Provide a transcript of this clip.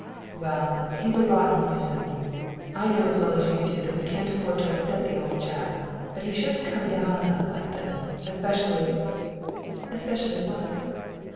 "Well, he's a rotten nuisance. I know as well as you do that we can't afford to upset the old chap, but he shouldn't come down on us like this, especially " "Especially what